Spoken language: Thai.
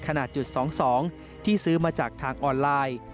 ขนาดจุด๒๒ที่ซื้อมาจากทางออนไลน์